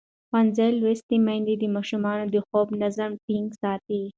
ښوونځې لوستې میندې د ماشومانو د خوب نظم ټینګ ساتي.